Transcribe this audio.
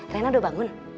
rena udah bangun